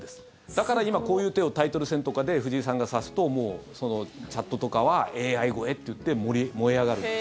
だから今、こういう手をタイトル戦とかで藤井さんが指すとチャットとかはＡＩ超えっていって燃え上がる。